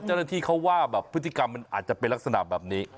เจ้าหน้าที่เขาว่าแบบพฤติกรรมมันอาจจะเป็นลักษณะแบบนี้